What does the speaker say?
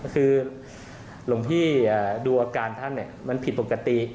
คือหลวงพี่ดูอาการท่านมันผิดปกติ